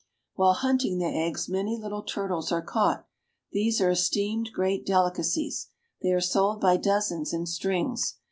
While hunting the eggs many little tur tles are caught. These are esteemed great delicacies. They are sold by dozens in strings.